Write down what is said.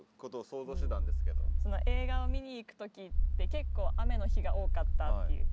映画を見に行く時って結構雨の日が多かったっていう。